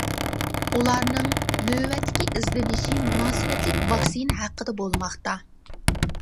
ئۇلارنىڭ نۆۋەتتىكى ئىزدىنىشى مۇناسىۋەتلىك ۋاكسىنا ھەققىدە بولماقتا.